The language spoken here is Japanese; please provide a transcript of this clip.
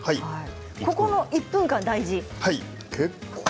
ここの１分間、大事。